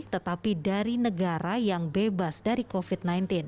tetapi dari negara yang bebas dari covid sembilan belas